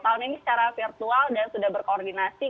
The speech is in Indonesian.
tahun ini secara virtual dan sudah berkoordinasi